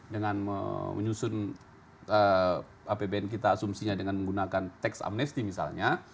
dengan menyusun apbn kita asumsinya dengan menggunakan teks amnesty misalnya